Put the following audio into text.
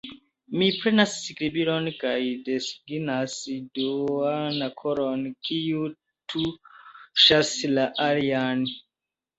Mi prenas skribilon, kaj desegnas duan koron, kiu tuŝas la alian.